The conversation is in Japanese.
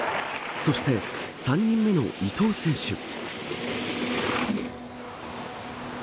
そして３人目の伊藤選手。